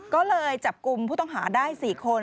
ก็เลยจับกลุ่มผู้ต้องหาได้๔คน